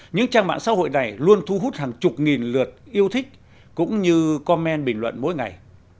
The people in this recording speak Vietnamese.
những trang mạng xã hội này luôn thu hút hàng chục nghìn lượt yêu thích cũng như commen bình luận mỗi ngày